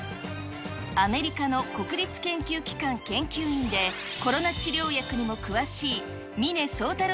アメリカの国立研究機関研究員で、コロナ治療薬にも詳しい峰宗太郎